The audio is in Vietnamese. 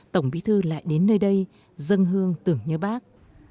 tổng bí thư lại đến nơi đây dân hương tưởng nhớ bác